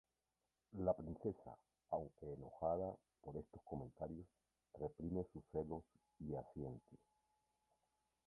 La princesa, aunque enojada por estos comentarios, reprime sus celos y asiente.